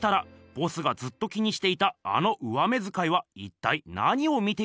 ボスがずっと気にしていたあの上目づかいは一体何を見ていたのでしょうか。